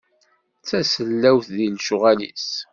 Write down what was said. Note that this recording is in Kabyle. D tasellawt di lecɣal-is.